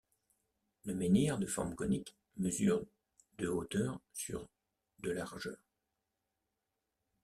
Le menhir, de forme conique, mesure de hauteur sur de largeur.